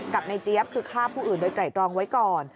กับในเจี๊ยบคือฆ่าผู้อื่นโดยไตรตรองไว้ก่อน